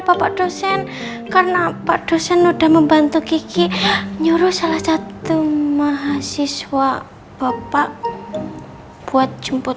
bapak dosen karena pak dosen udah membantu gigi nyuruh salah satu mahasiswa bapak buat jemput